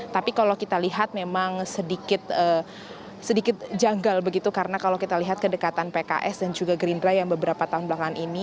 tapi kalau kita lihat memang sedikit janggal begitu karena kalau kita lihat kedekatan pks dan juga gerindra yang beberapa tahun belakangan ini